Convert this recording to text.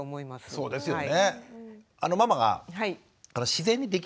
そうですね。